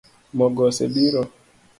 Mogo osebiro